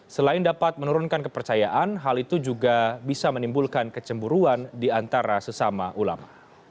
selain dapat menurunkan kepercayaan hal itu juga bisa menimbulkan kecemburuan di antara sesama ulama